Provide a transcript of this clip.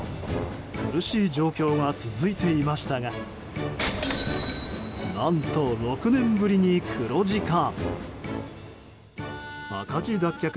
苦しい状況が続いていましたが何と６年ぶりに黒字化。